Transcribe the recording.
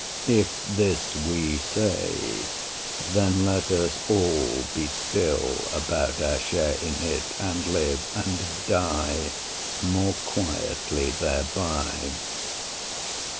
If this we say, then let us all be still About our share in it, and live and die More quietly thereby.